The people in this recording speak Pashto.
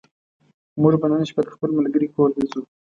موږ به نن شپه د خپل ملګرې کور ته ځو